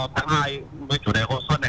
tháng hai với chủ đề hồ xuân này